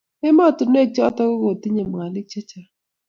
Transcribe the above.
Emotunwek chotok ko kotinnye mwanik chechang'.